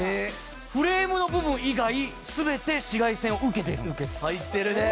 フレームの部分以外全て紫外線を受けている。